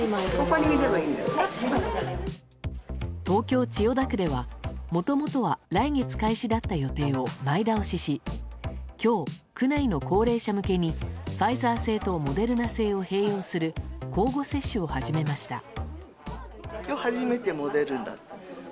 東京・千代田区ではもともとは来月開始だった予定を前倒しし今日、区内の高齢者向けにファイザー製とモデルナ製を併用する交互接種を始めました。